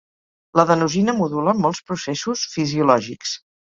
L'adenosina modula molts processos fisiològics.